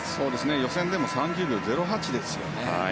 予選でも３０秒０８ですよね。